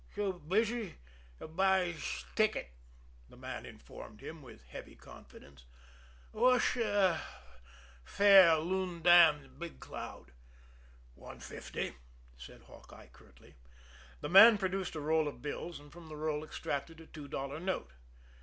"Too busy to buysh ticket," the man informed him, with heavy confidence. "Whash fare Loon Dam to Big Cloud?" "One fifty," said Hawkeye curtly. The man produced a roll of bills, and from the roll extracted a two dollar note.